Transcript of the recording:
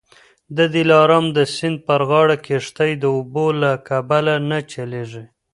د دلارام د سیند پر غاړه کښتۍ د اوبو له کبله نه چلیږي